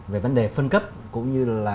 về vấn đề phân cấp cũng như là